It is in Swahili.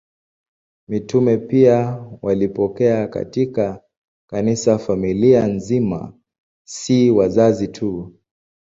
Mitume pia walipokea katika Kanisa familia nzima, si wazazi tu.